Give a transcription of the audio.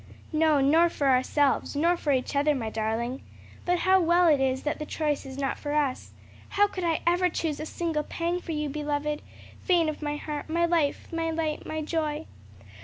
"No; nor for ourselves, nor for each other, my darling. But how well it is that the choice is not for us! How could I ever choose a single pang for you, beloved? vein of my heart, my life, my light, my joy!"